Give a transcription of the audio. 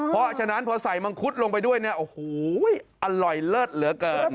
เพราะฉะนั้นพอใส่มังคุดลงไปด้วยเนี่ยโอ้โหอร่อยเลิศเหลือเกิน